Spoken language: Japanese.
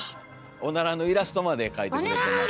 おならのイラストまで描いてくれてます。